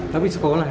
tapi sekolah ya